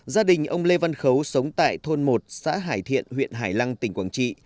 gia đình ông lê văn khấu sống tại thôn một xã hải thiện huyện hải lăng tỉnh quảng trị